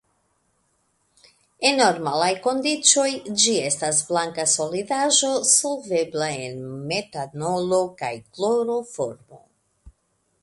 En normalaj kondiĉoj ĝi estas blanka solidaĵo solvebla en metanolo kaj kloroformo.